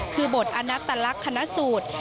คือบทอนัตลักษณ์คณะสูตร